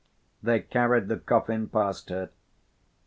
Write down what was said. They carried the coffin past her.